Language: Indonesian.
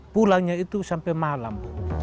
pulangnya itu sampai malam